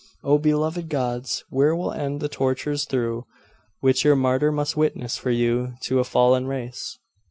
Oh, beloved gods! where will end the tortures through which your martyr must witness for you to a fallen race?